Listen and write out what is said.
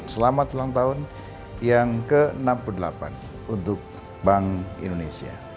selamat ulang tahun yang ke enam puluh delapan untuk bank indonesia